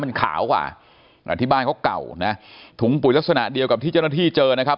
มันขาวกว่าอ่าที่บ้านเขาเก่านะถุงปุ๋ยลักษณะเดียวกับที่เจ้าหน้าที่เจอนะครับ